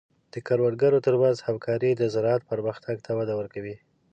د کروندګرو تر منځ همکاري د زراعت پرمختګ ته وده ورکوي.